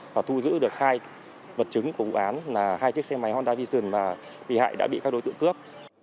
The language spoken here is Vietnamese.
và thu giữ được hai vật chứng của vụ án là hai chiếc xe máy honda vision mà bị hại đã bị các đối tượng cướp